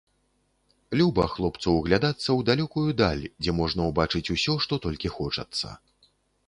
Люба хлопцу ўглядацца ў далёкую даль, дзе можна ўбачыць усё, што толькі хочацца.